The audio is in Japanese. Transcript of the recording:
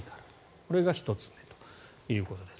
これが１つ目ということです。